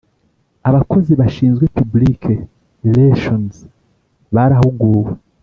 Abakozi bashinzwe public relations barahuguwe